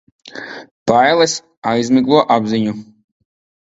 Bailes aizmiglo apziņu.